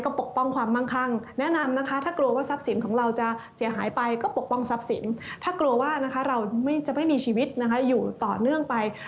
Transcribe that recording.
ก็ปกป้องทรัพย์สินถ้ากลัวว่าเราจะไม่มีชีวิตอยู่ต่อเนื่องไป